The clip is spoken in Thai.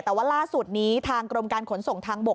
แต่ว่าล่าสุดนี้ทางกรมการขนส่งทางบก